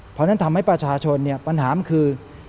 เพราะฉะนั้นทำให้ประชาชนปัญหาคือ